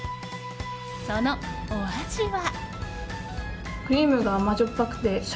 そのお味は。